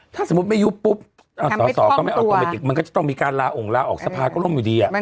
ถ้าสมมุติไม่ยุบปุ๊บสอสอก็ไม่ออโตเมติกมันก็จะต้องมีการลาองค์ลาออกสภาก็ล่มอยู่ดี